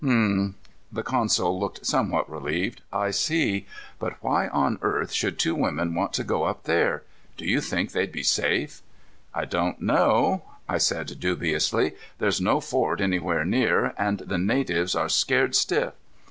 "Hm." The consul looked somewhat relieved. "I see. But why on earth should two women want to go up there? Do you think they'd be safe?" "I don't know," I said dubiously. "There's no fort anywhere near, and the natives are scared stiff.